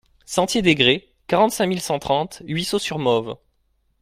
Sentier des Grès, quarante-cinq mille cent trente Huisseau-sur-Mauves